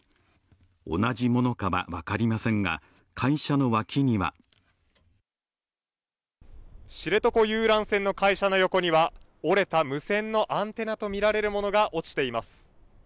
同じものかは分かりませんが会社の脇には知床遊覧船の会社の横には折れた無線のアンテナとみられるものが落ちています。